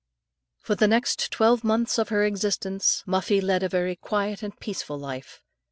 For the next twelve months of her existence, Muffie led a very quiet and peaceful life.